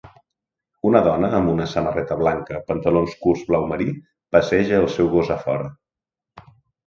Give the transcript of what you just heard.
Una dona amb una samarreta blanca pantalons curts blau marí passeja el seu gos a fora.